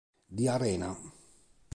The Arena